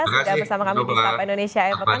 sudah bersama kami di staff indonesia akhir pekan